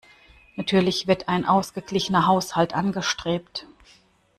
Natürlich wird ein ausgeglichener Haushalt angestrebt.